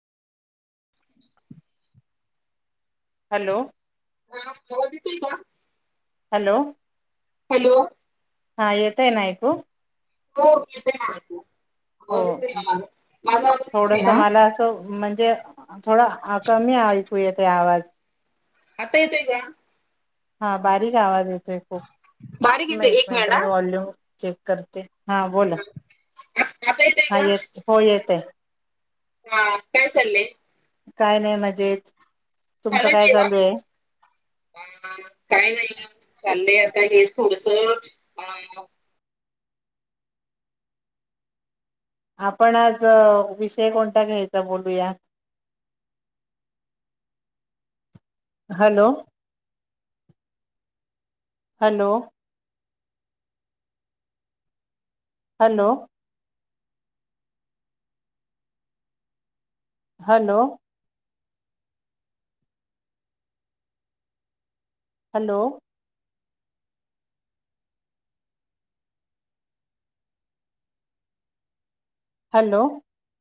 [inaudible] Hello. हा आवाज येतुय का? [inaudible] हॅलो. हॅलो. हा येतय ना ऐकू? हो येतय ना ऐकू. हो आवाज येतोय ना माझा? माझा आवाज [inaudible] येतोय थोडस ना? मला असं म्ह- जे थोडा अ कमी ऐकू येतोय आवाज. आता येतोय का? हा बारीक आवाज ये [unintelligible] नाही हो बारीक नाही येतोय एक मिनिट नंतर हा मी वॉल्यूम चेक करते. हा बोला. आता येतोय हा का? येत हो येत आहे. हा काय चालय? काय नाही मजेत. तुमचं झालं काय जेवण? चालू आहे? काय नाही चाललंय आता हेचं थोडस आपण आज विषय कोणता घ्यायचा बोलूयात. [inaudible] Hello, hello [inaudible] hello hello. Hello hello hello